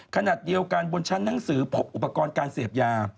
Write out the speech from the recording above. ขณะเดียวกันบนชั้นหนังสือพบอุปกรณ์การเสพยา